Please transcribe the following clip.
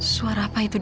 suara apa itu dit